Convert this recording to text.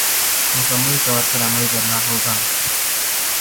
مکمل طور پر عمل کرنا ہوگا